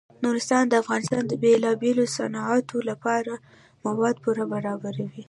نورستان د افغانستان د بیلابیلو صنعتونو لپاره مواد پوره برابروي.